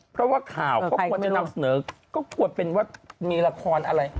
เพราะว่าข่าวก็ควรจะนำเสนอก็ควรเป็นว่ามีละครอะไร